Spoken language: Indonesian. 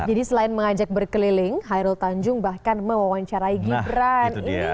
jadi selain mengajak berkeliling khairul tanjung bahkan mewawancarai gibran